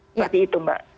seperti itu mbak